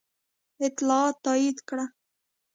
اطلاعاتو تایید کړه.